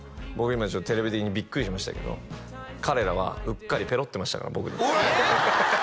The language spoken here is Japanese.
今ちょっとテレビ的にビックリしましたけど彼らはうっかりペロってましたから僕におい！ええ！？